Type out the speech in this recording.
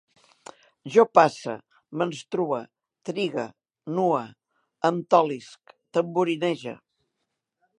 Jo passe, menstrue, trigue, nue, em tolisc, tamborinege